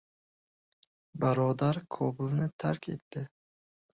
Barodar Kobulni tark etdi